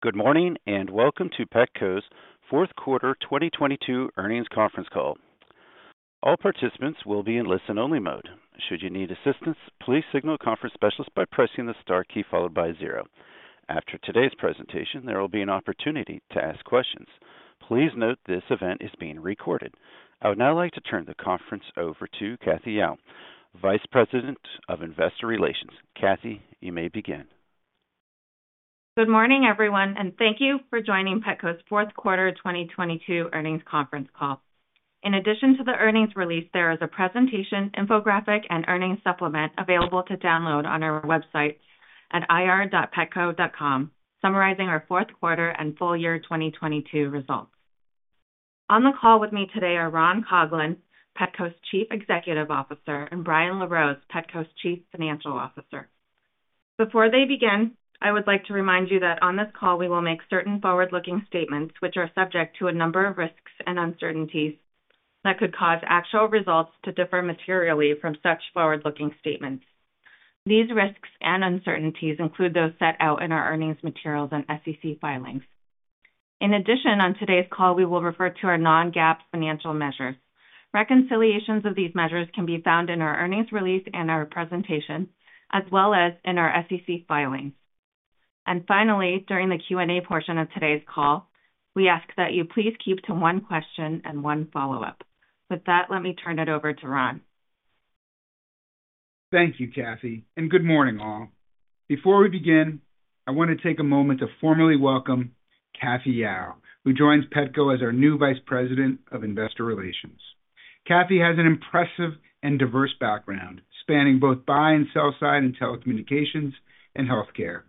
Good morning. Welcome to Petco's Q4 2022 earnings conference call. All participants will be in listen-only mode. Should you need assistance, please signal a conference specialist by pressing the star key followed by zero. After today's presentation, there will be an opportunity to ask questions. Please note this event is being recorded. I would now like to turn the conference over to Cathy Yao, Vice President of Investor Relations. Kathy, you may begin. Good morning, everyone, and thank you for joining Petco's Q4 2022 earnings conference call. In addition to the earnings release, there is a presentation infographic and earnings supplement available to download on our website at ir.petco.com summarizing our Q4 and full-year 2022 results. On the call with me today are Ron Coughlin, Petco's Chief Executive Officer, and Brian LaRose, Petco's Chief Financial Officer. Before they begin, I would like to remind you that on this call we will make certain forward-looking statements which are subject to a number of risks and uncertainties that could cause actual results to differ materially from such forward-looking statements. These risks and uncertainties include those set out in our earnings materials and SEC filings. In addition, on today's call, we will refer to our non-GAAP financial measures. Reconciliations of these measures can be found in our earnings release and our presentation, as well as in our SEC filings. Finally, during the Q&A portion of today's call, we ask that you please keep to one question and one follow-up. With that, let me turn it over to Ron. Thank you, Cathy, and good morning, all. Before we begin, I want to take a moment to formally welcome Cathy Yao, who joins Petco as our new Vice President of Investor Relations. Cathy has an impressive and diverse background spanning both buy and sell side in telecommunications and healthcare.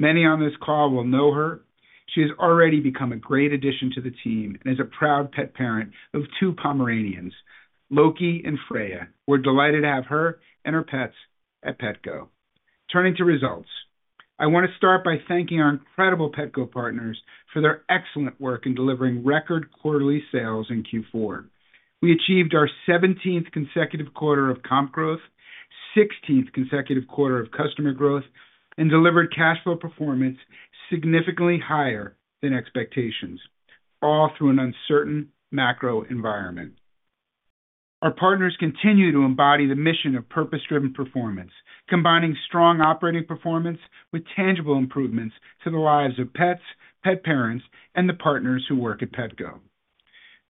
Many on this call will know her. She has already become a great addition to the team and is a proud pet parent of two Pomeranians, Loki and Freya. We're delighted to have her and her pets at Petco. Turning to results. I want to start by thanking our incredible Petco partners for their excellent work in delivering record quarterly sales in Q4. We achieved our 17th consecutive quarter of comp growth, 16th consecutive quarter of customer growth, and delivered cash flow performance significantly higher than expectations, all through an uncertain macro environment. Our partners continue to embody the mission of purpose-driven performance, combining strong operating performance with tangible improvements to the lives of pets, pet parents, and the partners who work at Petco.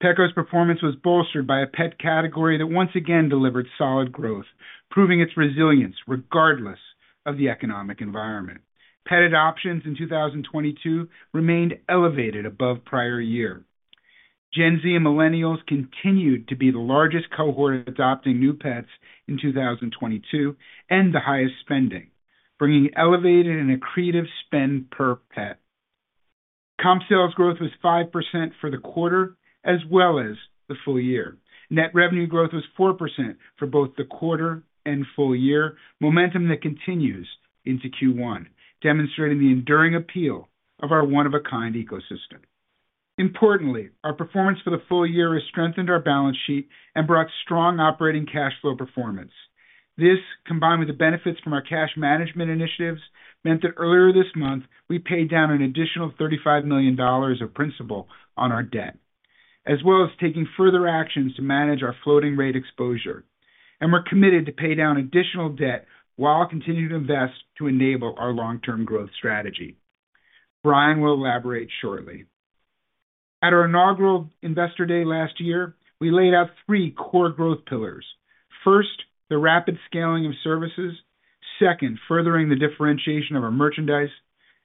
Petco's performance was bolstered by a pet category that once again delivered solid growth, proving its resilience regardless of the economic environment. Pet adoptions in 2022 remained elevated above prior year. Gen Z and millennials continued to be the largest cohort adopting new pets in 2022, and the highest spending, bringing elevated and accretive spend per pet. Comp sales growth was 5% for the quarter as well as the full year. Net revenue growth was 4% for both the quarter and full year, momentum that continues into Q1, demonstrating the enduring appeal of our one-of-a-kind ecosystem. Importantly, our performance for the full year has strengthened our balance sheet and brought strong operating cash flow performance. This, combined with the benefits from our cash management initiatives, meant that earlier this month we paid down an additional $35 million of principal on our debt, as well as taking further actions to manage our floating rate exposure. We're committed to pay down additional debt while continuing to invest to enable our long-term growth strategy. Brian will elaborate shortly. At our inaugural Investor Day last year, we laid out three core growth pillars. First, the rapid scaling of services. Second, furthering the differentiation of our merchandise.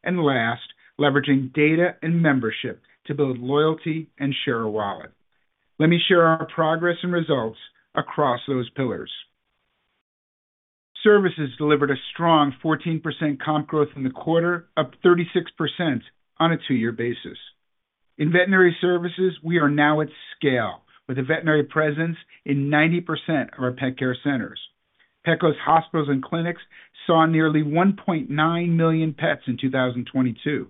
Last, leveraging data and membership to build loyalty and share a wallet. Let me share our progress and results across those pillars. Services delivered a strong 14% comp growth in the quarter, up 36% on a two-year basis. In veterinary services, we are now at scale with a veterinary presence in 90% of our pet care centers. Petco's hospitals and clinics saw nearly 1.9 million pets in 2022,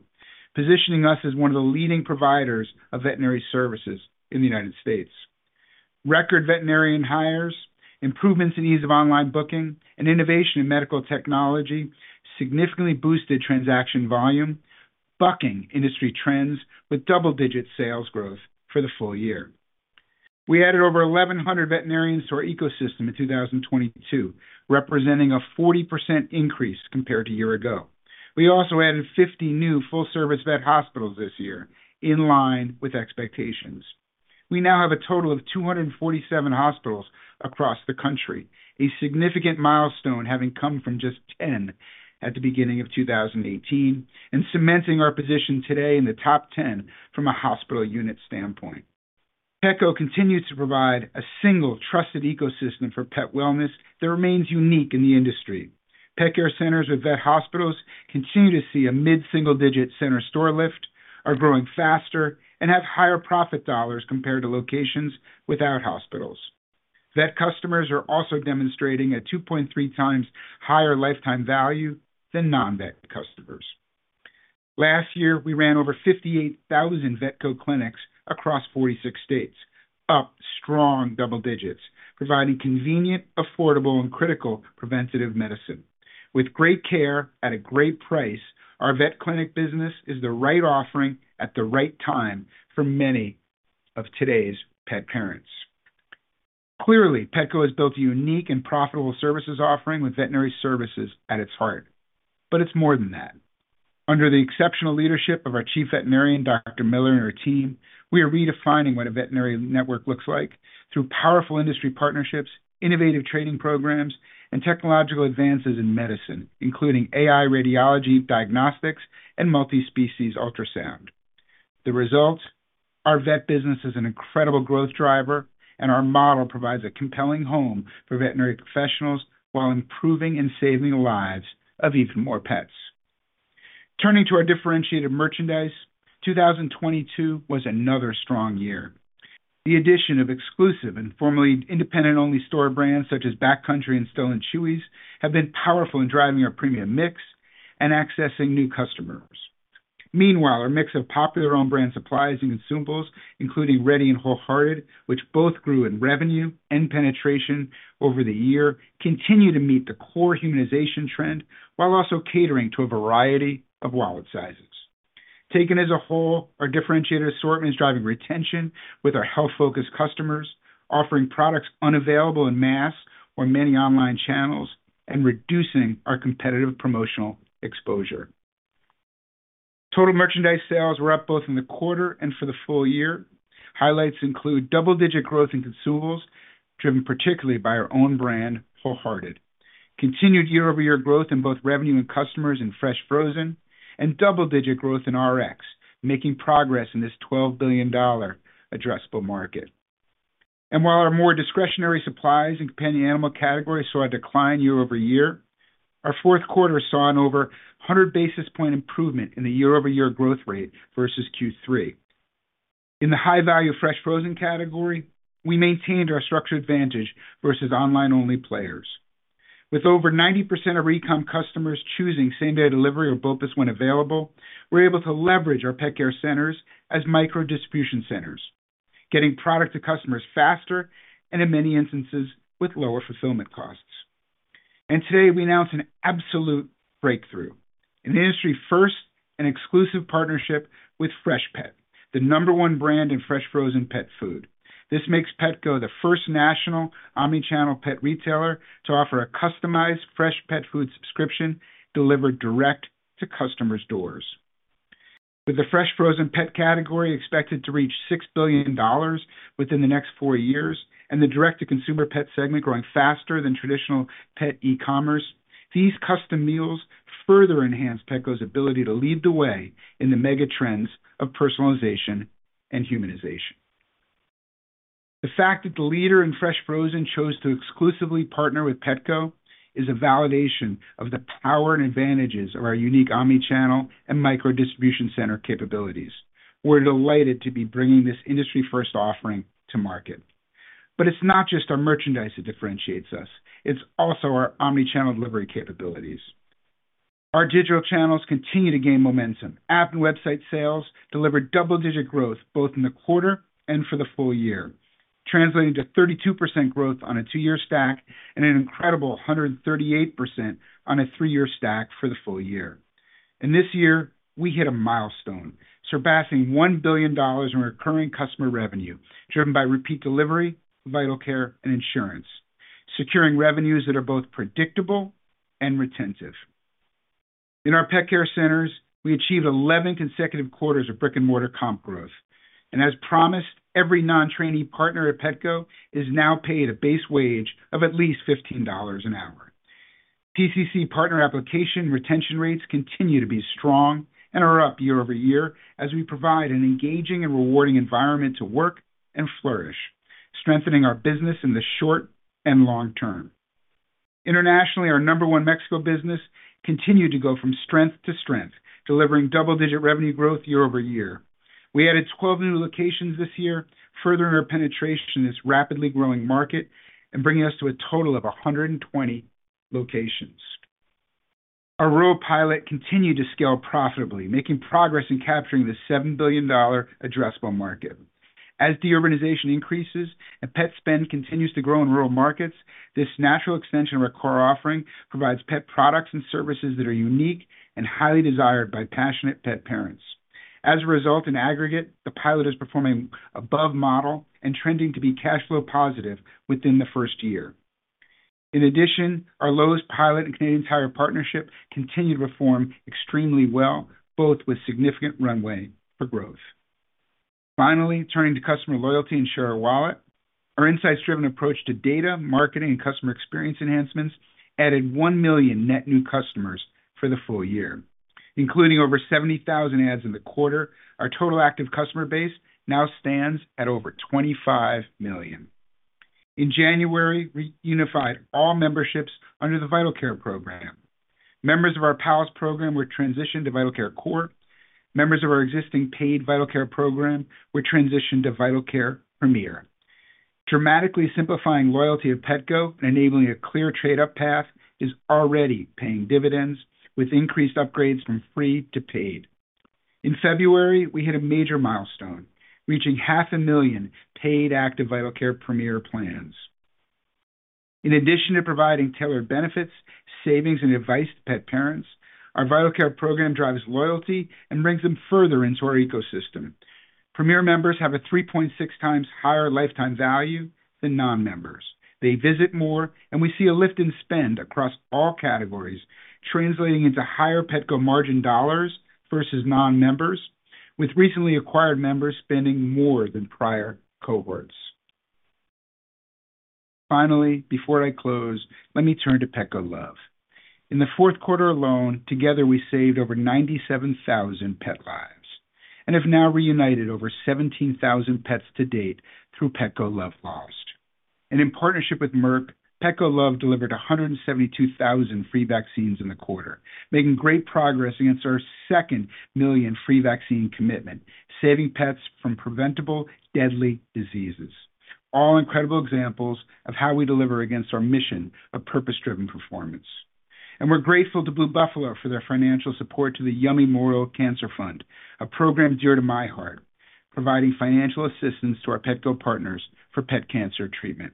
positioning us as one of the leading providers of veterinary services in the U.S. Record veterinarian hires, improvements in ease of online booking, and innovation in medical technology significantly boosted transaction volume, bucking industry trends with double-digit sales growth for the full year. We added over 1,100 veterinarians to our ecosystem in 2022, representing a 40% increase compared to year ago. We also added 50 new full-service vet hospitals this year, in line with expectations. We now have a total of 247 hospitals across the country; a significant milestone having come from just 10 at the beginning of 2018 and cementing our position today in the top 10 from a hospital unit standpoint. Petco continues to provide a single trusted ecosystem for pet wellness that remains unique in the industry. Pet care centers with Vet hospitals continue to see a mid-single-digit center store lift, are growing faster, and have higher profit dollars compared to locations without hospitals. Vet customers are also demonstrating a 2.3x higher lifetime value than non-Vet customers. Last year, we ran over 58,000 Vetco clinics across 46 states, up Strong double-digit, providing convenient, affordable, and critical preventative medicine. With great care at a great price, our vet clinic business is the right offering at the right time for many of today's pet parents. Clearly, Petco has built a unique and profitable services offering with veterinary services at its heart. It's more than that. Under the exceptional leadership of our Chief Veterinarian, Dr. Miller, and her team, we are redefining what a veterinary network looks like through powerful industry partnerships, innovative training programs, and technological advances in medicine, including AI radiology, diagnostics, and multi-species ultrasound. The results, our vet business is an incredible growth driver, and our model provides a compelling home for veterinary professionals while improving and saving lives of even more pets. Turning to our differentiated merchandise, 2022 was another strong year. The addition of exclusive and formerly independent-only store brands such as Backcountry and Stella & Chewy's have been powerful in driving our premium mix and accessing new customers. Meanwhile, our mix of popular own brand supplies and consumables, including Reddy and WholeHearted, which both grew in revenue and penetration over the year, continue to meet the core humanization trend while also catering to a variety of wallet sizes. Taken as a whole, our differentiated assortment is driving retention with our health-focused customers, offering products unavailable in mass or many online channels, and reducing our competitive promotional exposure. Total merchandise sales were up both in the quarter and for the full year. Highlights include double-digit growth in consumables, driven particularly by our own brand, WholeHearted. Continued year-over-year growth in both revenue and customers in fresh frozen and double-digit growth in RX, making progress in this $12 billion addressable market. While our more discretionary supplies and companion animal categories saw a decline year-over-year, our Q4 saw an over 100 basis point improvement in the year-over-year growth rate versus Q3. In the high-value fresh frozen category, we maintained our structured advantage versus online-only players. With over 90% of e-com customers choosing same-day delivery or BOPUS when available, we're able to leverage our pet care centers as micro-distribution centers, getting product to customers faster and in many instances with lower fulfillment costs. Today we announce an absolute breakthrough. An industry first and exclusive partnership with Freshpet, the number one brand in fresh frozen pet food. This makes Petco the first national omni-channel pet retailer to offer a customized fresh pet food subscription delivered direct to customers' doors. With the fresh frozen pet category expected to reach $6 billion within the next four years and the direct-to-consumer pet segment growing faster than traditional pet e-commerce, these custom meals further enhance Petco's ability to lead the way in the mega trends of personalization and humanization. The fact that the leader in fresh frozen chose to exclusively partner with Petco is a validation of the power and advantages of our unique omni-channel and micro-distribution center capabilities. We're delighted to be bringing this industry-first offering to market. It's not just our merchandise that differentiates us, it's also our omni-channel delivery capabilities. Our digital channels continue to gain momentum. App and website sales delivered double-digit growth both in the quarter and for the full year, translating to 32% growth on a two-year stack and an incredible 138% on a three-year stack for the full year. This year we hit a milestone, surpassing $1 billion in recurring customer revenue, driven by repeat delivery, Vital Care, and insurance, securing revenues that are both predictable and retentive. In our Pet Care Centers, we achieved 11 consecutive quarters of brick-and-mortar comp growth. As promised, every non-trainee partner at Petco is now paid a base wage of at least $15 an hour. PCC partner application retention rates continue to be strong and are up year-over-year as we provide an engaging and rewarding environment to work and flourish, strengthening our business in the short and long term. Internationally, our number one Mexico business continued to go from strength to strength, delivering double-digit revenue growth year-over-year. We added 12 new locations this year, furthering our penetration in this rapidly growing market and bringing us to a total of 120 locations. Our rural pilot continued to scale profitably, making progress in capturing the $7 billion addressable market. As deurbanization increases and pet spend continues to grow in rural markets, this natural extension of our core offering provides pet products and services that are unique and highly desired by passionate pet parents. As a result, in aggregate, the pilot is performing above model and trending to be cash flow positive within the first year. In addition, our Lowe's pilot and Canadian Tire partnership continued to perform extremely well, both with significant runway for growth. Finally, turning to customer loyalty and Share Our Wallet, our insights-driven approach to data, marketing, and customer experience enhancements added 1 million net new customers for the full year. Including over 70,000 adds in the quarter, our total active customer base now stands at over 25 million. In January, we unified all memberships under the Vital Care program. Members of our Pals program were transitioned to Vital Care Core. Members of our existing paid Vital Care program were transitioned to Vital Care Premier. Dramatically simplifying loyalty at Petco and enabling a clear trade-up path is already paying dividends with increased upgrades from free to paid. In February, we hit a major milestone, reaching 500,000 paid active Vital Care Premier plans. In addition to providing tailored benefits, savings, and advice to pet parents, our Vital Care program drives loyalty and brings them further into our ecosystem. Premier members have a 3.6x higher lifetime value than non-members. They visit more, and we see a lift in spend across all categories, translating into higher Petco margin dollars versus non-members, with recently acquired members spending more than prior cohorts. Finally, before I close, let me turn to Petco Love. In the Q4 alone, together, we saved over 97,000 pet lives and have now reunited over 17,000 pets to date through Petco Love Lost. In partnership with Merck, Petco Love delivered 172,000 free vaccines in the quarter, making great progress against our second million free vaccine commitment, saving pets from preventable deadly diseases. All incredible examples of how we deliver against our mission of purpose-driven performance. We're grateful to Blue Buffalo for their financial support to the Yummy Memorial Cancer Fund, a program dear to my heart, providing financial assistance to our Petco partners for pet cancer treatment.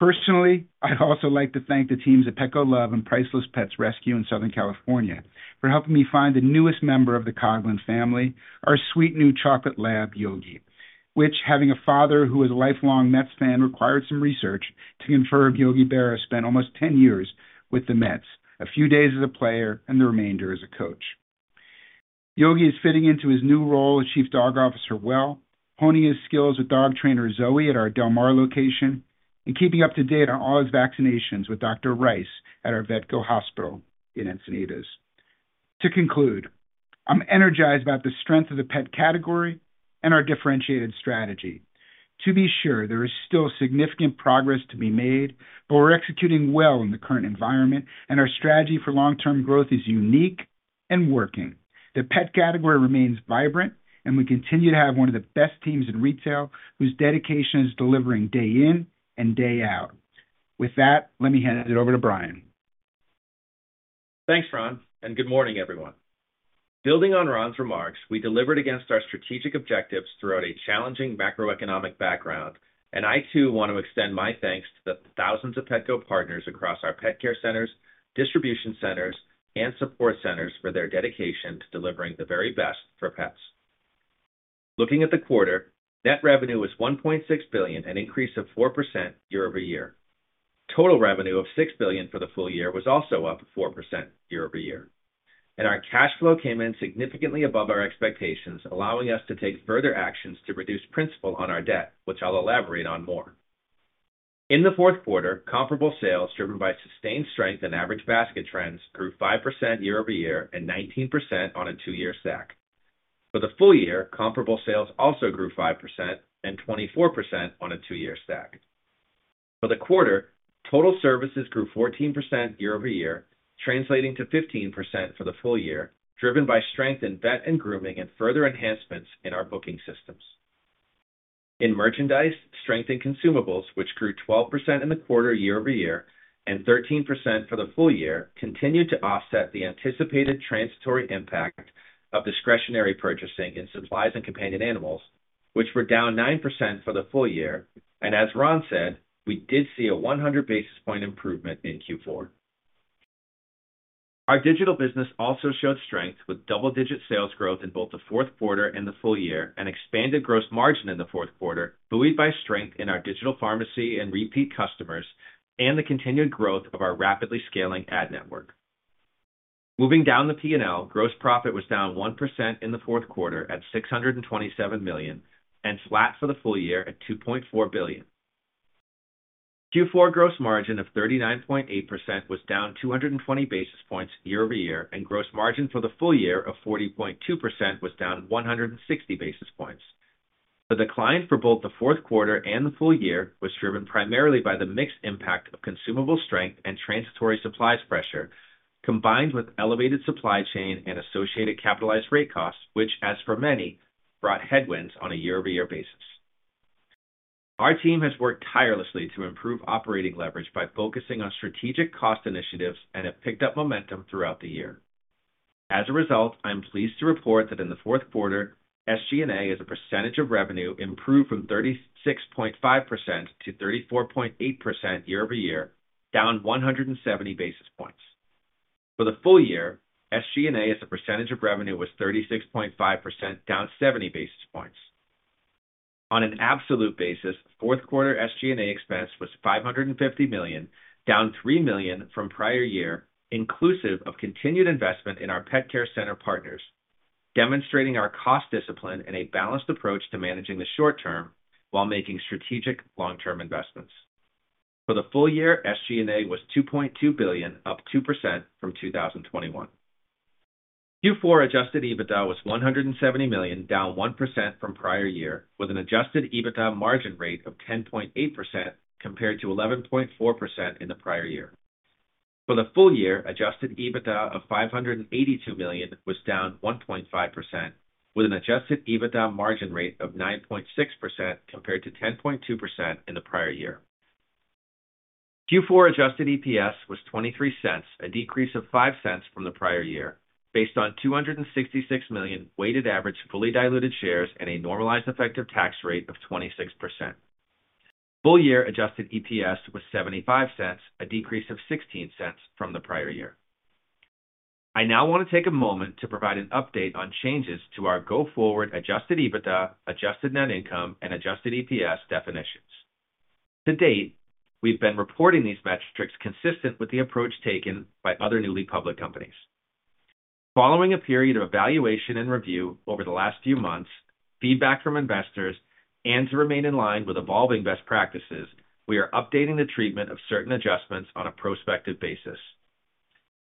Personally, I'd also like to thank the teams at Petco Love and Priceless Pet Rescue in Southern California for helping me find the newest member of the Coughlin family, our sweet new chocolate lab, Yogi, which, having a father who is a lifelong Mets fan, required some research to confirm Yogi Berra spent almost 10 years with the Mets, a few days as a player and the remainder as a coach. Yogi is fitting into his new role as chief dog officer well, honing his skills with dog trainer Zoe at our Del Mar location, and keeping up to date on all his vaccinations with Dr. Rice at our Vetco hospital in Encinitas. To conclude, I'm energized about the strength of the pet category and our differentiated strategy. To be sure, there is still significant progress to be made, but we're executing well in the current environment, and our strategy for long-term growth is unique and working. The pet category remains vibrant, and we continue to have one of the best teams in retail whose dedication is delivering day in and day out. With that, let me hand it over to Brian. Thanks, Ron. Good morning, everyone. Building on Ron's remarks, we delivered against our strategic objectives throughout a challenging macroeconomic background. I too want to extend my thanks to the thousands of Petco partners across our pet care centers, distribution centers, and support centers for their dedication to delivering the very best for pets. Looking at the quarter, net revenue was $1.6 billion, an increase of 4% year-over-year. Total revenue of $6 billion for the full year was also up 4% year-over-year. Our cash flow came in significantly above our expectations, allowing us to take further actions to reduce principal on our debt, which I'll elaborate on more. In the Q4, comparable sales, driven by sustained strength in average basket trends, grew 5% year-over-year and 19% on a two-year stack. For the full year, comparable sales also grew 5% and 24% on a two-year stack. For the quarter, total services grew 14% year-over-year, translating to 15% for the full year, driven by strength in vet and grooming, and further enhancements in our booking systems. In merchandise, strength in consumables, which grew 12% in the quarter year-over-year and 13% for the full year, continued to offset the anticipated transitory impact of discretionary purchasing in supplies and companion animals, which were down 9% for the full year. As Ron said, we did see a 100 basis point improvement in Q4. Our digital business also showed strength with double-digit sales growth in both the Q4 and the full year, and expanded gross margin in the Q4, buoyed by strength in our digital pharmacy and repeat customers and the continued growth of our rapidly scaling ad network. Moving down the P&L, gross profit was down 1% in the Q4 at $627 million and flat for the full year at $2.4 billion. Q4 gross margin of 39.8% was down 220 basis points year-over-year, and gross margin for the full year of 40.2% was down 160 basis points. The decline for both the Q4 and the full year was driven primarily by the mixed impact of consumable strength and transitory supplies pressure, combined with elevated supply chain and associated capitalized rate costs, which as for many, brought headwinds on a year-over-year basis. Our team has worked tirelessly to improve operating leverage by focusing on strategic cost initiatives and have picked up momentum throughout the year. As a result, I am pleased to report that in the Q4, SG&A, as a percentage of revenue, improved from 36.5% to 34.8% year-over-year, down 170 basis points. For the full year, SG&A, as a percentage of revenue, was 36.5%, down 70 basis points. On an absolute basis, Q4 SG&A expense was $550 million, down $3 million from prior year, inclusive of continued investment in our pet care center partners, demonstrating our cost discipline and a balanced approach to managing the short-term while making strategic long-term investments. For the full year, SG&A was $2.2 billion, up 2% from 2021. Q4 adjusted EBITDA was $170 million, down 1% from prior year, with an adjusted EBITDA margin rate of 10.8% compared to 11.4% in the prior year. For the full year, adjusted EBITDA of $582 million was down 1.5% with an adjusted EBITDA margin rate of 9.6% compared to 10.2% in the prior year. Q4 adjusted EPS was $0.23, a decrease of $0.05 from the prior year, based on 266 million weighted average fully diluted shares and a normalized effective tax rate of 26%. Full year adjusted EPS was $0.75, a decrease of $0.16 from the prior year. I now want to take a moment to provide an update on changes to our go forward adjusted EBITDA, adjusted net income, and adjusted EPS definitions. To date, we've been reporting these metrics consistent with the approach taken by other newly public companies. Following a period of evaluation and review over the last few months, feedback from investors, and to remain in line with evolving best practices, we are updating the treatment of certain adjustments on a prospective basis.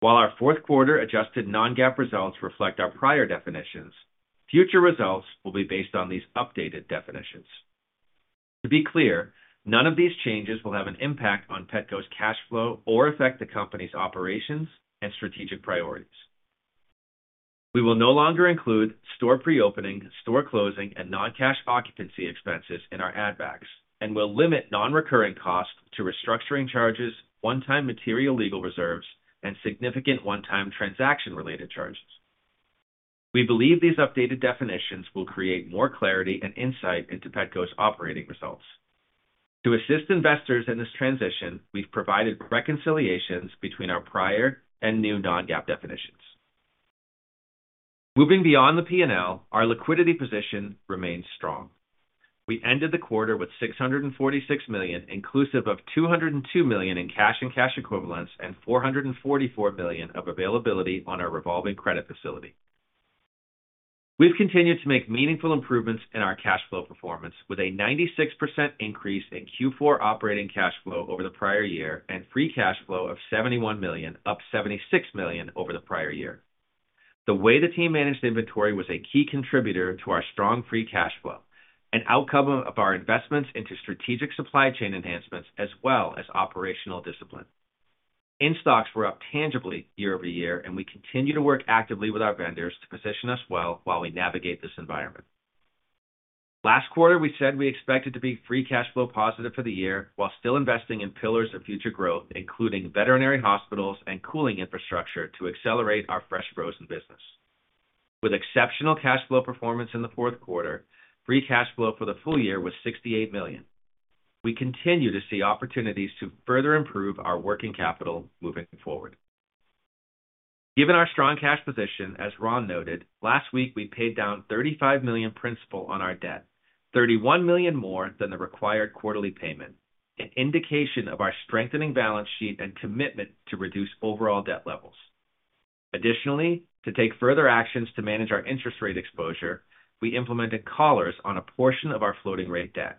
While our Q4 adjusted non-GAAP results reflect our prior definitions, future results will be based on these updated definitions. To be clear, none of these changes will have an impact on Petco's cash flow or affect the company's operations and strategic priorities. We will no longer include store pre-opening, store closing, and non-cash occupancy expenses in our add backs, and we'll limit non-recurring costs to restructuring charges, one-time material legal reserves, and significant one-time transaction-related charges. We believe these updated definitions will create more clarity and insight into Petco's operating results. To assist investors in this transition, we've provided reconciliations between our prior and new non-GAAP definitions. Moving beyond the P&L, our liquidity position remains strong. We ended the quarter with $646 million, inclusive of $202 million in cash and cash equivalents and $444 million of availability on our revolving credit facility. We've continued to make meaningful improvements in our cash flow performance with a 96% increase in Q4 operating cash flow over the prior year and free cash flow of $71 million, up $76 million over the prior year. The way the team managed inventory was a key contributor to our strong free cash flow, an outcome of our investments into strategic supply chain enhancements as well as operational discipline. In-stocks were up tangibly year-over-year. We continue to work actively with our vendors to position us well while we navigate this environment. Last quarter, we said we expected to be free cash flow positive for the year, while still investing in pillars of future growth, including veterinary hospitals and cooling infrastructure to accelerate our fresh frozen business. With exceptional cash flow performance in the Q4, free cash flow for the full year was $68 million. We continue to see opportunities to further improve our working capital moving forward. Given our strong cash position, as Ron noted, last week, we paid down $35 million principal on our debt, $31 million more than the required quarterly payment, an indication of our strengthening balance sheet and commitment to reduce overall debt levels. Additionally, to take further actions to manage our interest rate exposure, we implemented collars on a portion of our floating rate debt.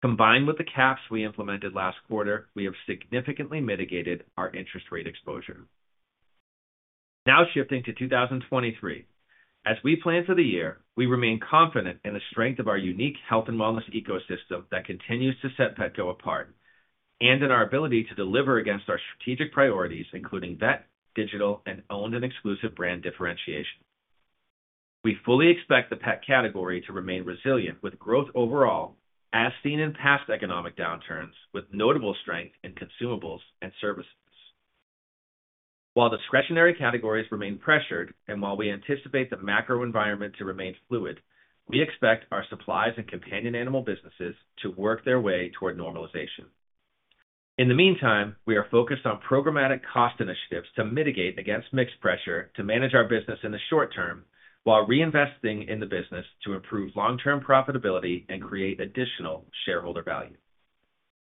Combined with the caps we implemented last quarter; we have significantly mitigated our interest rate exposure. Shifting to 2023. As we plan for the year, we remain confident in the strength of our unique health and wellness ecosystem that continues to set Petco apart, and in our ability to deliver against our strategic priorities, including vet, digital, and owned and exclusive brand differentiation. We fully expect the pet category to remain resilient with growth overall, as seen in past economic downturns, with notable strength in consumables and services. While discretionary categories remain pressured and while we anticipate the macro environment to remain fluid, we expect our supplies and companion animal businesses to work their way toward normalization. In the meantime, we are focused on programmatic cost initiatives to mitigate against mixed pressure to manage our business in the short term while reinvesting in the business to improve long-term profitability and create additional shareholder value.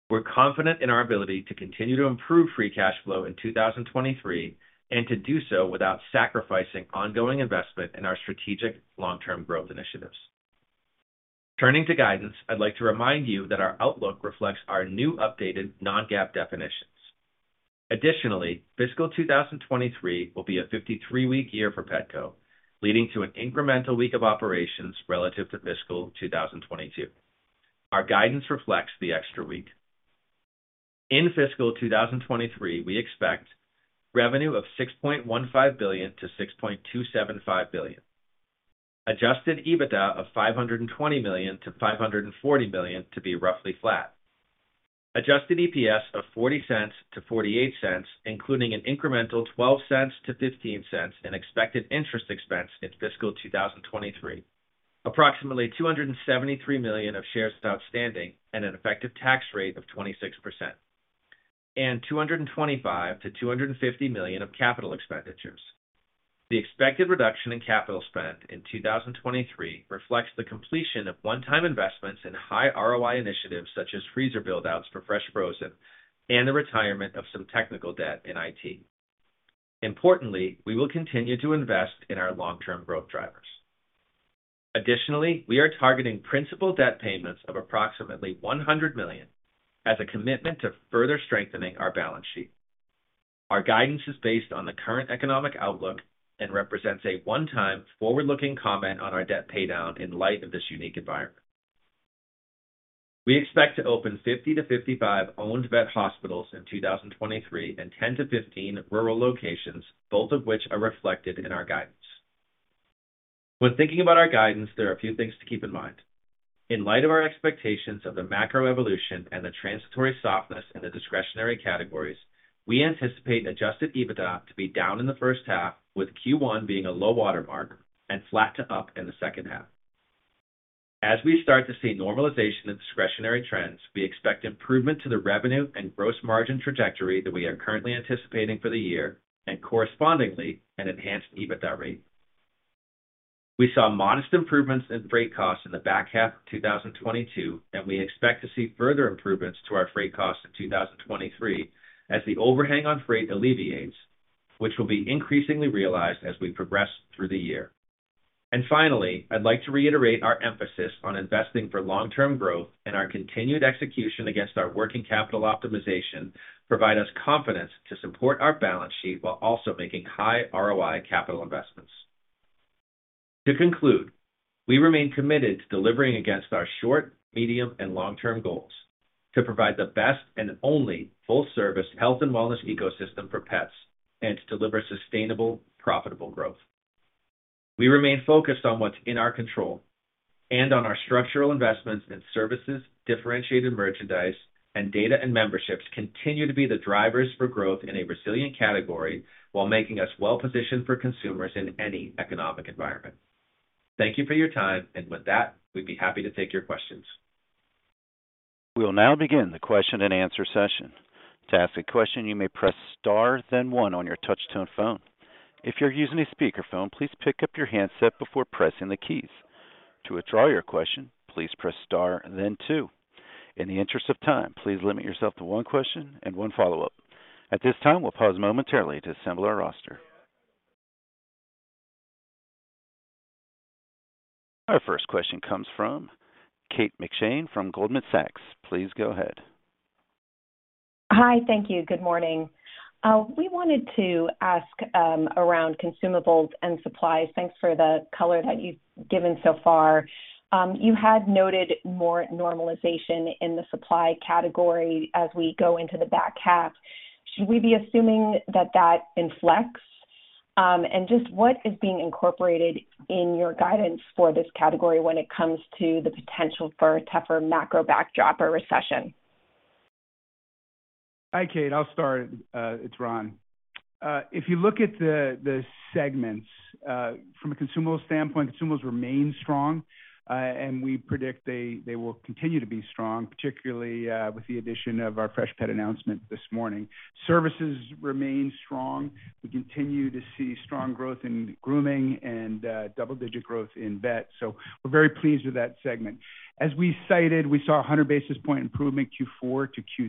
We're confident in our ability to continue to improve free cash flow in 2023, and to do so without sacrificing ongoing investment in our strategic long-term growth initiatives. Turning to guidance, I'd like to remind you that our outlook reflects our new updated non-GAAP definitions. Additionally, fiscal 2023 will be a 53-week year for Petco, leading to an incremental week of operations relative to fiscal 2022. Our guidance reflects the extra week. In fiscal 2023, we expect revenue of $6.15 billion-$6.275 billion. Adjusted EBITDA of $520 million-$540 million to be roughly flat. Adjusted EPS of $0.40-$0.48, including an incremental $0.12-$0.15 in expected interest expense in fiscal 2023. Approximately 273 million of shares outstanding and an effective tax rate of 26%. $225 million-$250 million of CapEx. The expected reduction in capital spend in 2023 reflects the completion of one-time investments in high ROI initiatives such as freezer buildouts for fresh frozen and the retirement of some technical debt in IT. Importantly, we will continue to invest in our long-term growth drivers. Additionally, we are targeting principal debt payments of approximately $100 million as a commitment to further strengthening our balance sheet. Our guidance is based on the current economic outlook and represents a one-time forward-looking comment on our debt paydown in light of this unique environment. We expect to open 50 to 55 owned vet hospitals in 2023 and 10 to 15 rural locations, both of which are reflected in our guidance. When thinking about our guidance, there are a few things to keep in mind. In light of our expectations of the macro evolution and the transitory softness in the discretionary categories, we anticipate an adjusted EBITDA to be down in the first half, with Q1 being a low water mark and flat to up in the second half. As we start to see normalization in discretionary trends, we expect improvement to the revenue and gross margin trajectory that we are currently anticipating for the year and correspondingly an enhanced EBITDA rate. We saw modest improvements in freight costs in the back half of 2022, and we expect to see further improvements to our freight costs in 2023 as the overhang on freight alleviates, which will be increasingly realized as we progress through the year. Finally, I'd like to reiterate our emphasis on investing for long-term growth and our continued execution against our working capital optimization provide us confidence to support our balance sheet while also making high ROI capital investments. To conclude, we remain committed to delivering against our short, medium, and long-term goals to provide the best and only full-service health and wellness ecosystem for pets and to deliver sustainable, profitable growth. We remain focused on what's in our control and on our structural investments in services, differentiated merchandise, and data and memberships continue to be the drivers for growth in a resilient category while making us well-positioned for consumers in any economic environment. Thank you for your time, and with that, we'd be happy to take your questions. We will now begin the question-and-answer session. To ask a question, you may press star then one on your touch-tone phone. If you're using a speakerphone, please pick up your handset before pressing the keys. To withdraw your question, please press star then two. In the interest of time, please limit yourself to one question and one follow-up. At this time, we'll pause momentarily to assemble our roster. Our first question comes from Kate McShane from Goldman Sachs. Please go ahead. Hi. Thank you. Good morning. We wanted to ask around consumables and supplies. Thanks for the color that you've given so far. You had noted more normalization in the supply category as we go into the back half. Should we be assuming that inflects? Just what is being incorporated in your guidance for this category when it comes to the potential for a tougher macro backdrop or recession? Hi, Kate. I'll start. It's Ron. If you look at the segments, from a consumable standpoint, consumables remain strong, we predict they will continue to be strong, particularly with the addition of our Freshpet announcement this morning. Services remain strong. We continue to see strong growth in grooming and double-digit growth in vet. We're very pleased with that segment. As we cited, we saw a 100 basis point improvement Q4 to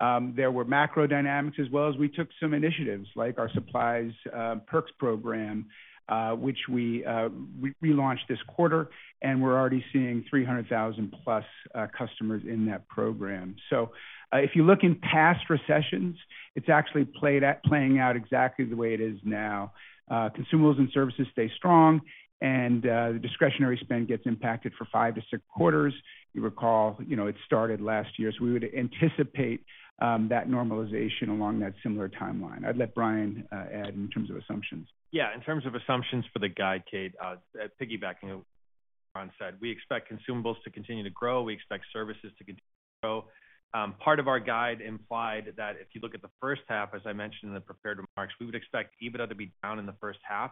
Q3. There were macro dynamics as well as we took some initiatives like our supplies, perks program, which we relaunched this quarter, and we're already seeing 300,000+ customers in that program. If you look in past recessions, it's actually playing out exactly the way it is now. Consumables and services stay strong, the discretionary spend gets impacted for five to six quarters. You recall, you know, it started last year, we would anticipate that normalization along that similar timeline. I'd let Brian add in terms of assumptions. In terms of assumptions for the guide, Kate, piggybacking what Ron said, we expect consumables to continue to grow. We expect services to continue to grow. Part of our guide implied that if you look at the first half, as I mentioned in the prepared remarks, we expect EBITDA to be down in the first half.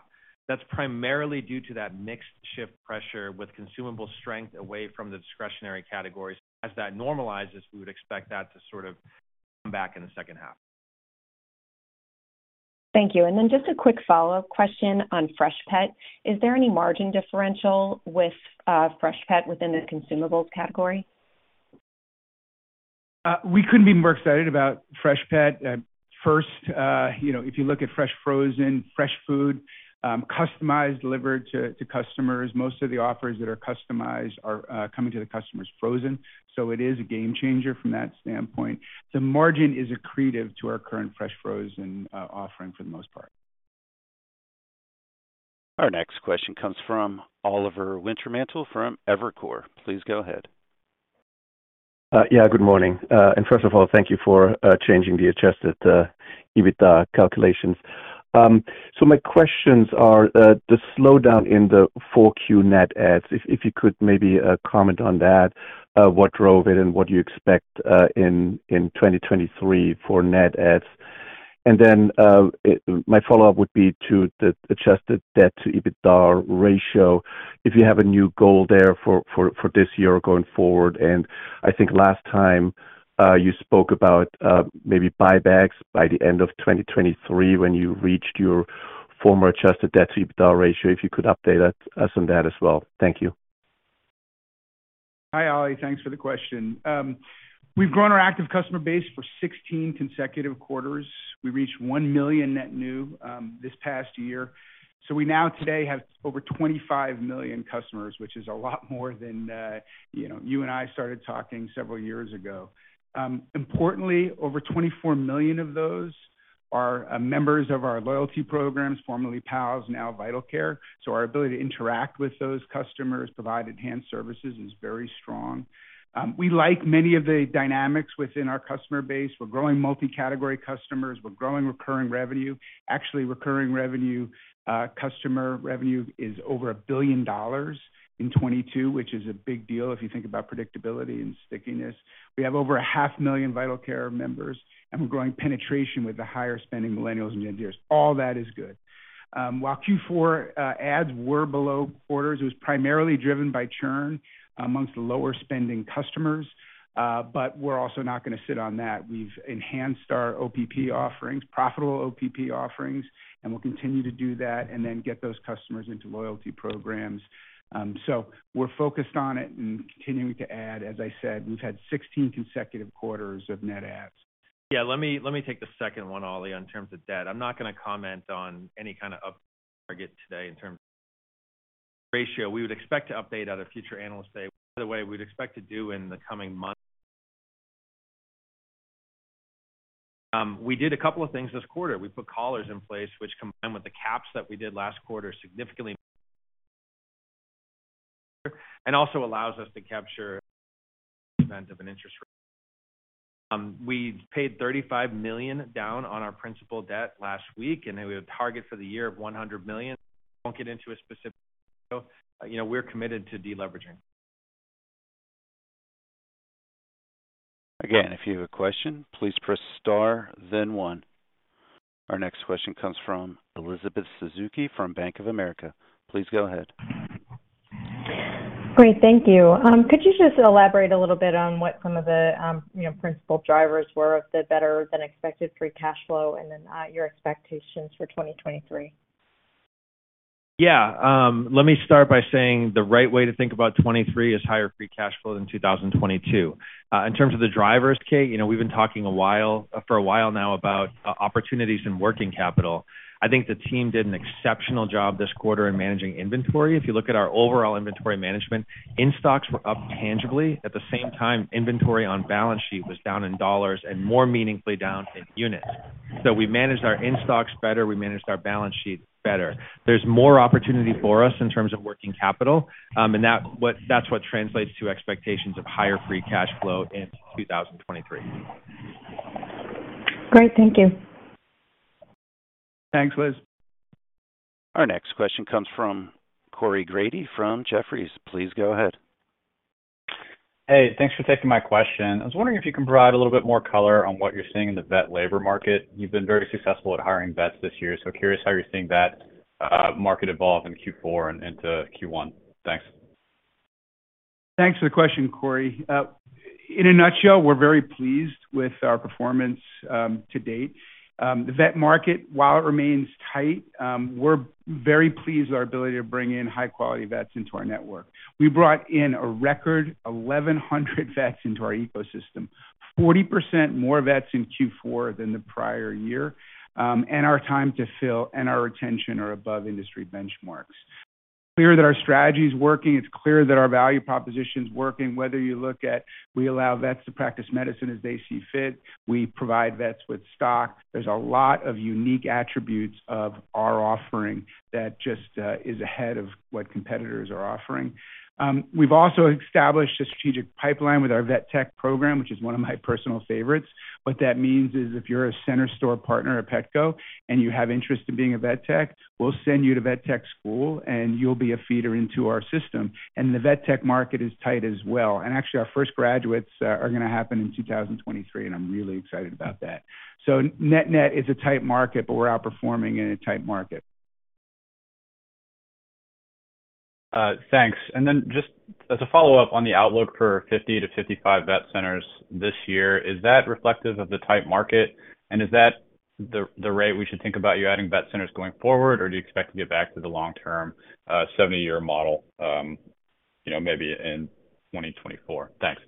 That's primarily due to that mixed shift pressure with consumable strength away from the discretionary categories. As that normalizes, we would expect that to sort of come back in the second half. Thank you. Just a quick follow-up question on Freshpet. Is there any margin differential with Freshpet within the consumables category? We couldn't be more excited about Freshpet. First, you know, if you look at fresh frozen, fresh food, customized, delivered to customers, most of the offers that are customized are coming to the customers frozen. It is a game changer from that standpoint. The margin is accretive to our current fresh frozen offering for the most part. Our next question comes from Oliver Wintermantel from Evercore. Please go ahead. Yeah, good morning. First of all, thank you for changing the adjusted EBITDA calculations. My questions are the slowdown in the 4Q net adds, if you could maybe comment on that, what drove it and what you expect in 2023 for net adds? Then my follow-up would be to the adjusted debt to EBITDA ratio, if you have a new goal there for this year going forward? I think last time you spoke about maybe buybacks by the end of 2023 when you reached your former adjusted debt to EBITDA ratio, if you could update us on that as well? Thank you. Hi, Ollie. Thanks for the question. We've grown our active customer base for 16 consecutive quarters. We reached $1 million net new this past year. We now today have over 25 million customers, which is a lot more than, you know, you and I started talking several years ago. Importantly, over 24 million of those are members of our loyalty programs, formerly PALS, now Vital Care. Our ability to interact with those customers, provide enhanced services is very strong. We like many of the dynamics within our customer base. We're growing multi-category customers. We're growing recurring revenue. Actually, recurring revenue, customer revenue is over $1 billion in 2022, which is a big deal if you think about predictability and stickiness. We have over a half million Vital Care members, and we're growing penetration with the higher spending millennials and Gen Zers. All that is good. While Q4 ads were below quarters, it was primarily driven by churn amongst lower spending customers. We're also not gonna sit on that. We've enhanced our OPP offerings, profitable OPP offerings, and we'll continue to do that and then get those customers into loyalty programs. We're focused on it and continuing to add. As I said, we've had 16 consecutive quarters of net adds. Let me take the second one, Ollie, in terms of debt. I'm not going to comment on any kind of up- target today in terms of ratio. We would expect to update at a future analyst day. We'd expect to do in the coming month. We did a couple of things this quarter. We put collars in place, which combined with the caps that we did last quarter, significantly, also allows us to capture event of an interest rate. We paid $35 million down on our principal debt last week. Then we have a target for the year of $100 million. Won't get into a specific, you know, we're committed to deleveraging. Again, if you have a question, please press star then one. Our next question comes from Elizabeth Suzuki from Bank of America. Please go ahead. Great. Thank you. could you just elaborate a little bit on what some of the, you know, principal drivers were of the better-than-expected free cash flow and then, your expectations for 2023? Let me start by saying the right way to think about 23 is higher free cash flow than 2022. In terms of the drivers, Kate, you know, we've been talking for a while now about opportunities in working capital. I think the team did an exceptional job this quarter in managing inventory. If you look at our overall inventory management, in-stocks were up tangibly. At the same time, inventory on balance sheet was down in dollars and more meaningfully down in units. We managed our in-stocks better, we managed our balance sheet better. There's more opportunity for us in terms of working capital, and that's what translates to expectations of higher free cash flow in 2023. Great. Thank you. Thanks, Liz. Our next question comes from Corey Grady from Jefferies. Please go ahead. Hey, thanks for taking my question. I was wondering if you can provide a little bit more color on what you're seeing in the vet labor market. You've been very successful at hiring vets this year, curious how you're seeing that market evolve in Q4 and into Q1. Thanks. Thanks for the question, Corey. In a nutshell, we're very pleased with our performance to date. The vet market, while it remains tight, we're very pleased with our ability to bring in high-quality vets into our network. We brought in a record 1,100 vets into our ecosystem, 40% more vets in Q4 than the prior year. Our time to fill and our retention are above industry benchmarks. Clear that our strategy is working, it's clear that our value proposition is working, whether you look at we allow vets to practice medicine as they see fit, we provide vets with stock. There's a lot of unique attributes of our offering that just is ahead of what competitors are offering. We've also established a strategic pipeline with our vet tech program, which is one of my personal favorites. What that means is if you're a center store partner at Petco and you have interest in being a vet tech, we'll send you to vet tech school, and you'll be a feeder into our system. The vet tech market is tight as well. Actually, our first graduates are going to happen in 2023, and I'm really excited about that. Net-net is a tight market, but we're outperforming in a tight market. Thanks. Just as a follow-up on the outlook for 50 to 55 Vetco centers this year, is that reflective of the tight market? Is that the rate we should think about you adding Vetco centers going forward, or do you expect to get back to the long-term, 70-year model, you know, maybe in 2024? Thanks.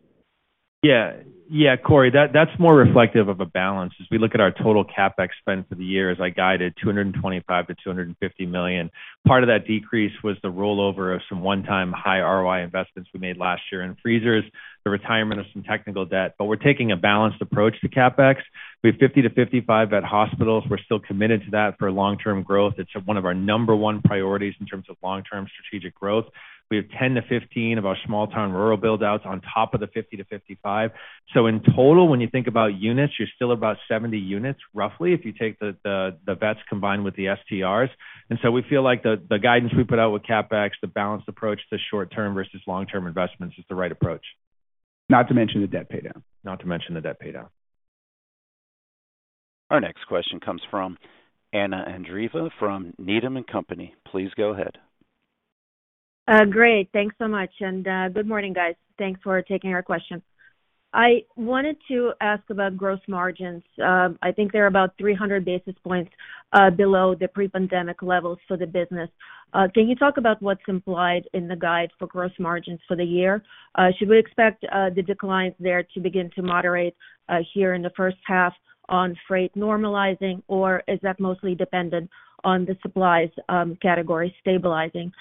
Yeah, Corey, that's more reflective of a balance. As we look at our total CapEx spend for the year, as I guided, $225 million-$250 million. Part of that decrease was the rollover of some one-time high ROI investments we made last year in freezers, the retirement of some technical debt. We're taking a balanced approach to CapEx. We have 50-55 vet hospitals. We're still committed to that for long-term growth. It's one of our number one priority in terms of long-term strategic growth. We have 10-15 of our small-town rural buildouts on top of the 50-55. In total, when you think about units, you're still about 70 units, roughly, if you take the vets combined with the STRs. We feel like the guidance we put out with CapEx, the balanced approach to short-term versus long-term investments is the right approach. Not to mention the debt paydown. Not to mention the debt paydown. Our next question comes from Anna Andreeva from Needham & Company. Please go ahead. Great. Thanks so much. Good morning, guys. Thanks for taking our question. I wanted to ask about gross margins. I think they're about 300 basis points below the pre-pandemic levels for the business. Can you talk about what's implied in the guide for gross margins for the year? Should we expect the declines there to begin to moderate here in the first half on freight normalizing, or is that mostly dependent on the supplies category stabilizing?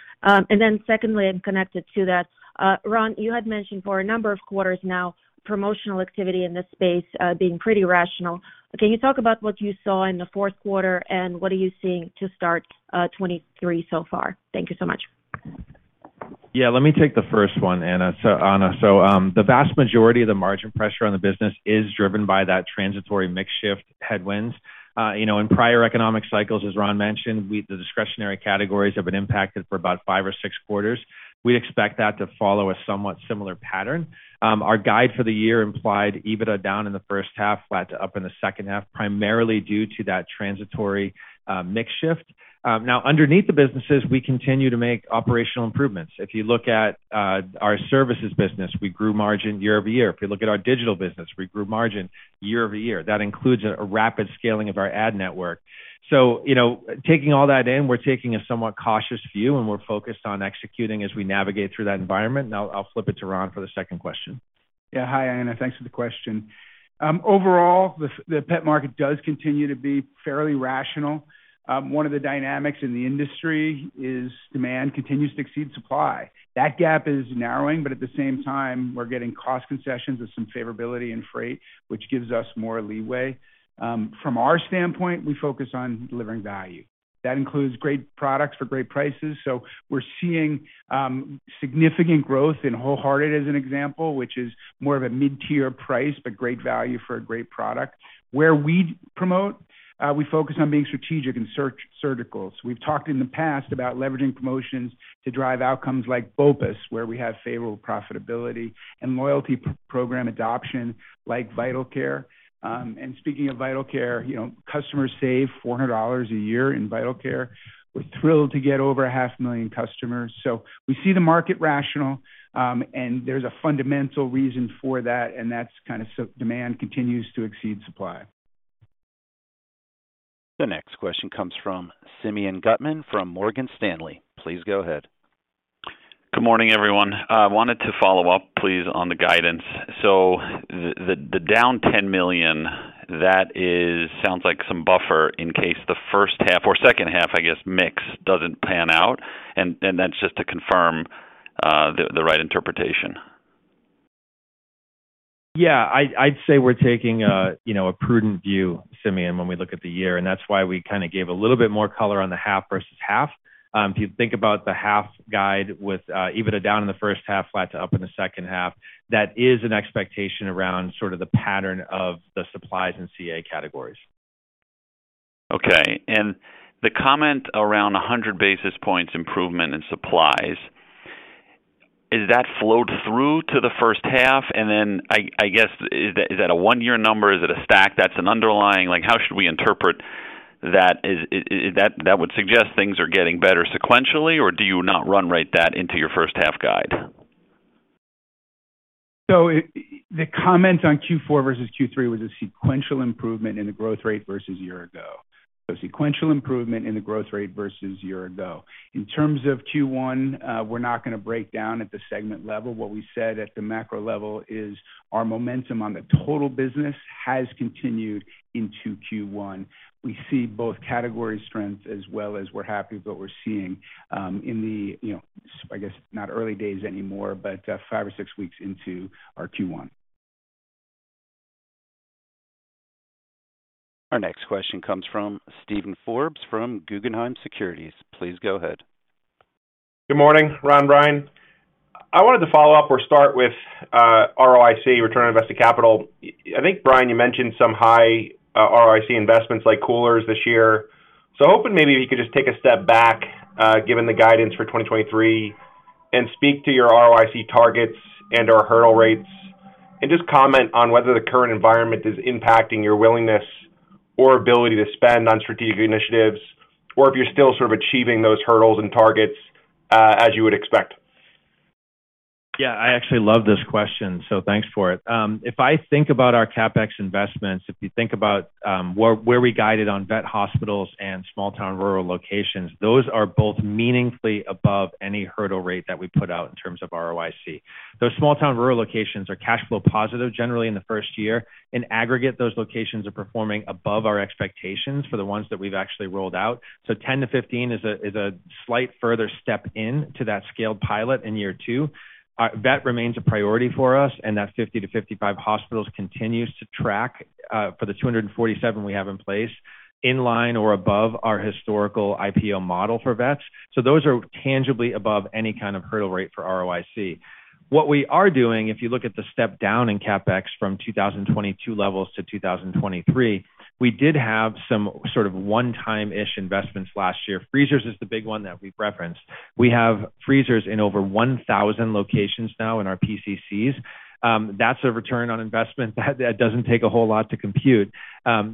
Secondly, and connected to that, Ron, you had mentioned for a number of quarters now promotional activity in this space being pretty rational. Can you talk about what you saw in the Q4, and what are you seeing to start 2023 so far? Thank you so much. Yeah, let me take the first one, Anna. The vast majority of the margin pressure on the business is driven by that transitory mix shift headwinds. You know, in prior economic cycles, as Ron mentioned, the discretionary categories have been impacted for about five or six quarters. We expect that to follow a somewhat similar pattern. Our guide for the year implied EBITDA down in the first half, flat to up in the second half, primarily due to that transitory mix shift. Now underneath the businesses, we continue to make operational improvements. If you look at our services business, we grew margin year-over-year. If you look at our digital business, we grew margin year-over-year. That includes a rapid scaling of our ad network. you know, taking all that in, we're taking a somewhat cautious view, and we're focused on executing as we navigate through that environment. I'll flip it to Ron for the second question. Yeah. Hi, Anna. Thanks for the question. Overall, the pet market does continue to be fairly rational. One of the dynamics in the industry is demand continues to exceed supply. That gap is narrowing, but at the same time, we're getting cost concessions with some favorability in freight, which gives us more leeway. From our standpoint, we focus on delivering value. That includes great products for great prices. We're seeing significant growth in WholeHearted as an example, which is more of a mid-tier price, but great value for a great product. Where we promote, we focus on being strategic and surgical. We've talked in the past about leveraging promotions to drive outcomes like BOPUS, where we have favorable profitability and loyalty program adoption like Vital Care. Speaking of Vital Care, you know, customers save $400 a year in Vital Care. We're thrilled to get over a half million customers. We see the market rational, and there's a fundamental reason for that, and that's kind of so demand continues to exceed supply. The next question comes from Simeon Gutman from Morgan Stanley. Please go ahead. Good morning, everyone. I wanted to follow up, please, on the guidance. The down $10 million, that sounds like some buffer in case the first half or second half, I guess, mix doesn't pan out. That's just to confirm the right interpretation? Yeah. I'd say we're taking a, you know, a prudent view, Simeon, when we look at the year, and that's why we kinda gave a little bit more color on the half versus half. If you think about the half guide with EBITDA down in the first half, flat to up in the second half, that is an expectation around sort of the pattern of the supplies and CA categories. Okay. The comment around 100 basis points improvement in supplies, is that flowed through to the first half? I guess is that a one-year number? Is it a stack? Like, how should we interpret that? That would suggest things are getting better sequentially, or do you not run rate that into your first half guide? The comment on Q4 versus Q3 was a sequential improvement in the growth rate versus year-ago. A sequential improvement in the growth rate versus year-ago. In terms of Q1, we're not going to break down at the segment level. What we said at the macro level is our momentum on the total business has continued into Q1. We see both category strengths as well as we're happy with what we're seeing, in the, you know, I guess not early days anymore, but five or six weeks into our Q1. Our next question comes from Steven Forbes from Guggenheim Securities. Please go ahead. Good morning, Ron, Brian. I wanted to follow up or start with ROIC, return on invested capital. I think, Brian, you mentioned some high ROIC investments like coolers this year. Hoping maybe you could just take a step back, given the guidance for 2023 and speak to your ROIC targets and/or hurdle rates, and just comment on whether the current environment is impacting your willingness or ability to spend on strategic initiatives, or if you're still sort of achieving those hurdles and targets, as you would expect. Yeah. I actually love this question, so thanks for it. If I think about our CapEx investments, if you think about where we guided on vet hospitals and small-town rural locations, those are both meaningfully above any hurdle rate that we put out in terms of ROIC. Those small-town rural locations are cash flow positive, generally in the first year. In aggregate, those locations are performing above our expectations for the ones that we've actually rolled out. 10-15 is a slight further step into that scaled pilot in year two. Vet remains a priority for us, that 50-55 hospitals continue to track for the 247 we have in place, in line or above our historical IPO model for vets. Those are tangibly above any kind of hurdle rate for ROIC. What we are doing, if you look at the step down in CapEx from 2022 levels to 2023, we did have some sort of one-time-ish investments last year. Freezers are the big one that we've referenced. We have freezers in over 1,000 locations now in our PCCs. That's a return on investment that doesn't take a whole lot to compute.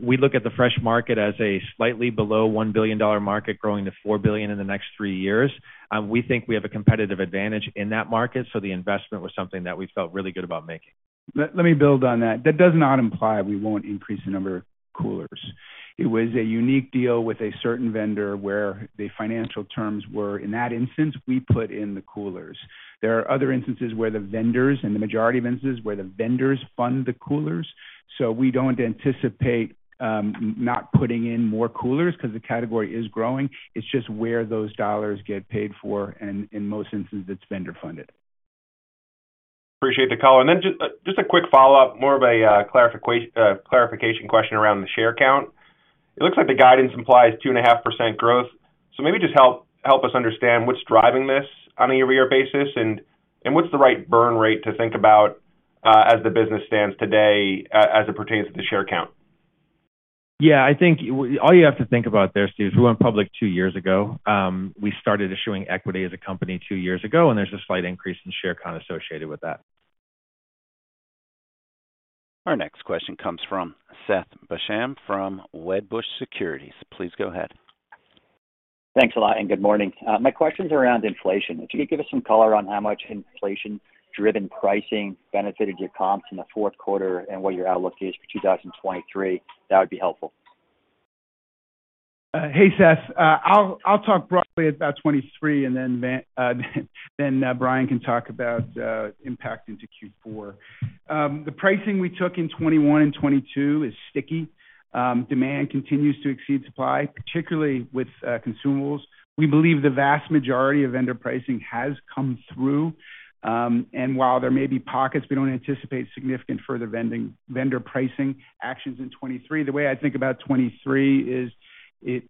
We look at the fresh market as a slightly below $1 billion market growing to $4 billion in the next three years. We think we have a competitive advantage in that market, so the investment was something that we felt really good about making. Let me build on that. That does not imply we won't increase the number of coolers. It was a unique deal with a certain vendor where the financial terms were, in that instance, we put in the coolers. There are other instances where the vendors, and the majority of instances where the vendors fund the coolers. We don't anticipate not putting in more coolers because the category is growing. It's just where those dollars get paid for, and in most instances, its vendor funded. Appreciate the call. Just a quick follow-up, more of a clarification question around the share count. It looks like the guidance implies 2.5% growth. maybe just help us understand what's driving this on a year-over-year basis, and what's the right burn rate to think about as the business stands today as it pertains to the share count? I think all you have to think about there, Steve, is we went public two years ago. We started issuing equity as a company two years ago. There's a slight increase in share count associated with that. Our next question comes from Seth Basham from Wedbush Securities. Please go ahead. Thanks a lot. Good morning. My question's around inflation. If you could give us some color on how much inflation-driven pricing benefited your comps in the Q4 and what your outlook is for 2023, that would be helpful. Hey, Seth. I'll talk broadly about 2023 and then Brian can talk about impact into Q4. The pricing we took in 2021 and 2022 is sticky. Demand continues to exceed supply, particularly with consumables. We believe the vast majority of vendor pricing has come through. While there may be pockets, we don't anticipate significant further vendor pricing actions in 2023. The way I think about 2023 is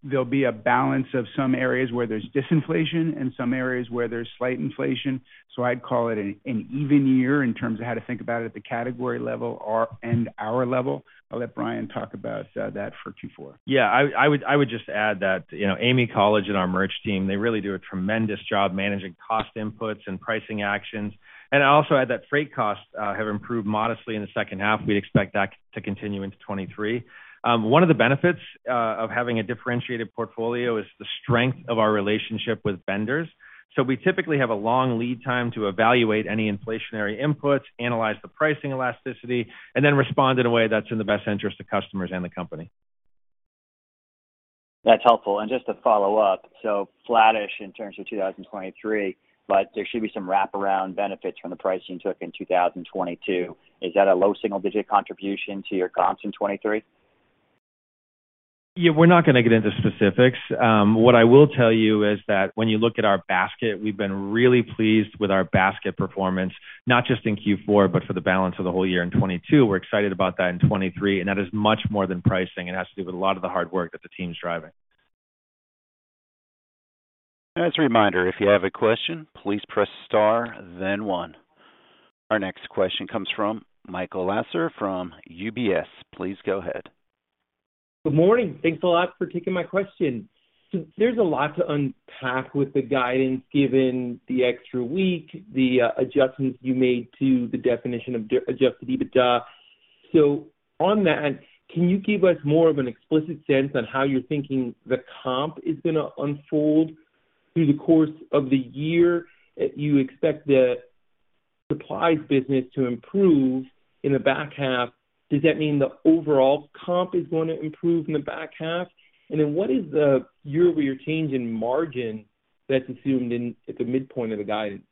there'll be a balance of some areas where there's disinflation and some areas where there's slight inflation. I'd call it an even year in terms of how to think about it at the category level and our level. I'll let Brian talk about that for Q4. Yeah. I would just add that, you know, Amy College and our merch team, they really do a tremendous job managing cost inputs and pricing actions. I'd also add that freight costs have improved modestly in the second half. We expect that to continue into 23. One of the benefits of having a differentiated portfolio is the strength of our relationship with vendors. We typically have a long lead time to evaluate any inflationary inputs, analyze the pricing elasticity, and then respond in a way that's in the best interest of customers and the company. That's helpful. Just to follow up, flattish in terms of 2023, there should be some wraparound benefits from the pricing you took in 2022. Is that a low single-digit contribution to your comps in 23? We're not going to get into specifics. What I will tell you is that when you look at our basket, we've been really pleased with our basket performance, not just in Q4, but for the balance of the whole year in 2022. We're excited about that in 2023. That is much more than pricing. It has to do with a lot of the hard work that the team's driving. As a reminder, if you have a question, please press star then one. Our next question comes from Michael Lasser from UBS. Please go ahead. Good morning. Thanks a lot for taking my question. There's a lot to unpack with the guidance given the extra week, the adjustments you made to the definition of adjusted EBITDA. On that, can you give us more of an explicit sense on how you're thinking the comp is going to unfold through the course of the year? You expect the supplies business to improve in the back half. Does that mean the overall comp is going to improve in the back half? What is the year-over-year change in margin that's assumed at the midpoint of the guidance?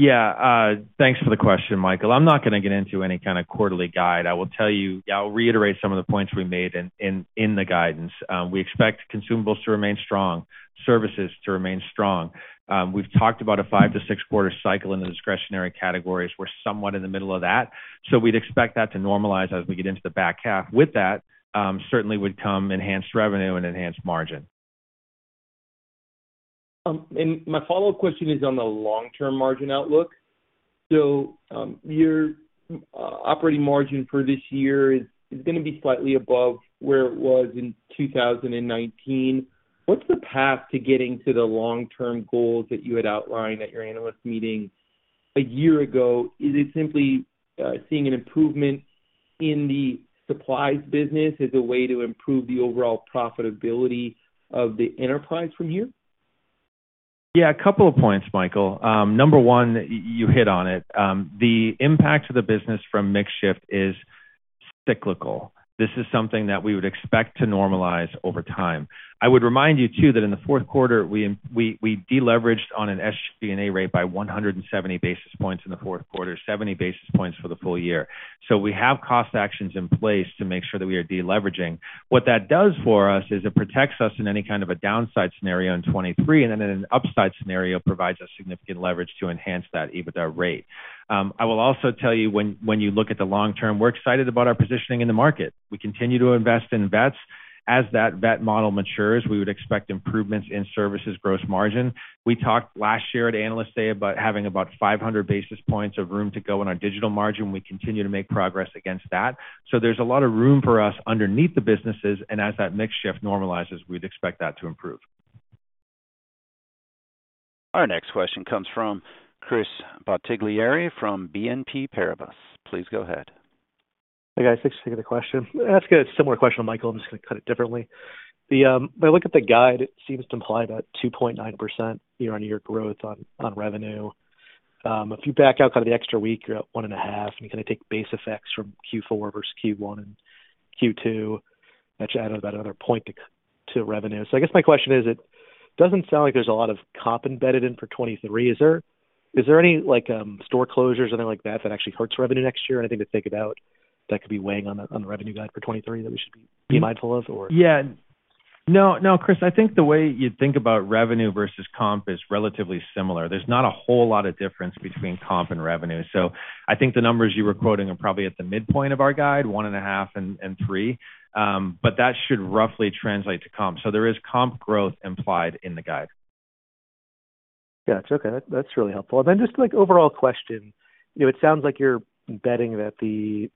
Thanks for the question, Michael. I'm not going to get into any kind of quarterly guide. I'll reiterate some of the points we made in the guidance. We expect consumables to remain strong, services to remain strong. We've talked about a five to six quarter cycle in the discretionary categories. We're somewhat in the middle of that. We'd expect that to normalize as we get into the back half. With that, certainly would come enhanced revenue and enhanced margin. My follow-up question is on the long-term margin outlook. Your operating margin for this year is going to be slightly above where it was in 2019. What's the path to getting to the long-term goals that you had outlined at your analyst meeting a year ago? Is it simply seeing an improvement in the supplies business as a way to improve the overall profitability of the enterprise from here? Yeah, a couple of points, Michael. Number 1, you hit on it. The impact to the business from mix shift is cyclical. This is something that we would expect to normalize over time. I would remind you too that in the Q4, we deleveraged on an SG&A rate by 170 basis points in the Q4, 70 basis points for the full year. We have cost actions in place to make sure that we are deleveraging. What that does for us is it protects us in any kind of a downside scenario in 2023, in an upside scenario, provides us significant leverage to enhance that EBITDA rate. I will also tell you when you look at the long term, we're excited about our positioning in the market. We continue to invest in vets. As that vet model matures, we would expect improvements in services gross margin. We talked last year at Analyst Day about having about 500 basis points of room to go on our digital margin. We continue to make progress against that. There's a lot of room for us underneath the businesses, and as that mix shift normalizes, we'd expect that to improve. Our next question comes from Chris Bottiglieri from BNP Paribas. Please go ahead. Hey, guys. Thanks for taking the question. I'll ask a similar question to Michael, I'm just gonna cut it differently. When I look at the guide, it seems to imply about 2.9% year-on-year growth on revenue. If you back out kind of the extra week, you're at 1.5, and you kind of take base effects from Q4 versus Q1 and Q2, that should add about another point to revenue. I guess my question is, it doesn't sound like there's a lot of comp embedded in for 2023. Is there any, like, store closures, anything like that actually hurts revenue next year or anything to think about that could be weighing on the revenue guide for 2023 that we should be mindful of? Yeah. No, no, Chris, I think the way you think about revenue versus comp is relatively similar. There's not a whole lot of difference between comp and revenue. I think the numbers you were quoting are probably at the midpoint of our guide, 1.5% and 3%, but that should roughly translate to comp. There is comp growth implied in the guide. Yeah. Okay. That's really helpful. Just like overall question. You know, it sounds like you're betting that the,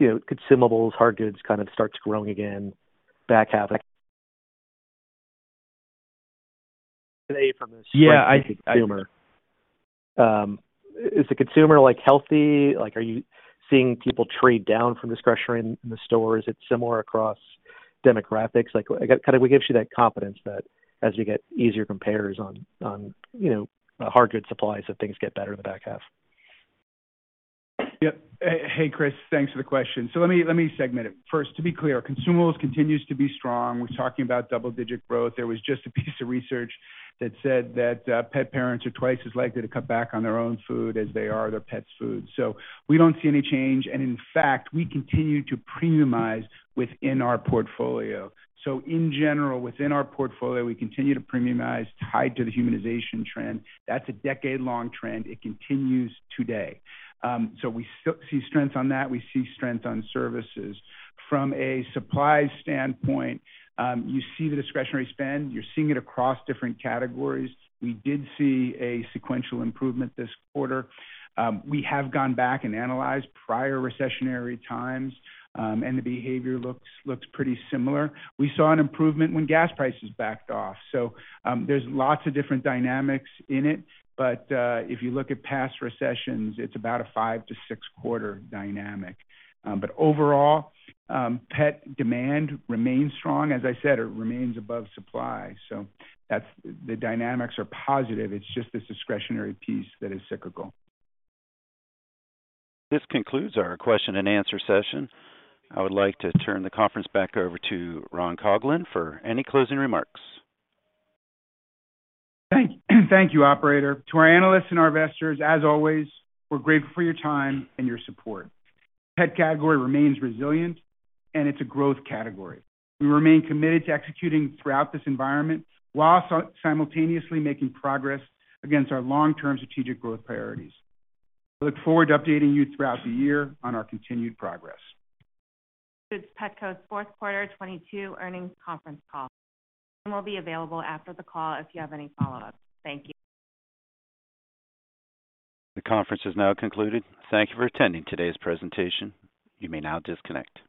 you know, consumables, hard goods kind of starts growing again back half. Yeah. consumer. Is the consumer like healthy? Like, are you seeing people trade down from discretionary in the store? Is it similar across demographics? Like kind of what gives you that confidence that as we get easier compares on, you know, hard good supplies, that things get better in the back half? Yep. Hey, Chris. Thanks for the question. Let me segment it. First, to be clear, consumables continue to be strong. We're talking about double-digit growth. There was just a piece of research that said that pet parents are twice as likely to cut back on their own food as they are their pet's food. We don't see any change. In fact, we continue to premiumize within our portfolio. In general, within our portfolio, we continue to premiumize tied to the humanization trend. That's a decade-long trend. It continues today. We still see strength on that. We see strength on services. From a supply standpoint, you see the discretionary spend, you're seeing it across different categories. We did see a sequential improvement this quarter. We have gone back and analyzed prior recessionary times. The behavior looks pretty similar. We saw an improvement when gas prices backed off, so there's lots of different dynamics in it, but if you look at past recessions, it's about a five to six quarter dynamic. Overall, pet demand remains strong. As I said, it remains above supply. The dynamics are positive. It's just this discretionary piece that is cyclical. This concludes our question and answer session. I would like to turn the conference back over to Ron Coughlin for any closing remarks. Thank you, operator. To our analysts and our investors, as always, we're grateful for your time and your support. Pet category remains resilient, and it's a growth category. We remain committed to executing throughout this environment while simultaneously making progress against our long-term strategic growth priorities. We look forward to updating you throughout the year on our continued progress. This concludes Petco's Q4 2022 earnings conference call. It will be available after the call if you have any follow-ups. Thank you. The conference is now concluded. Thank you for attending today's presentation. You may now disconnect.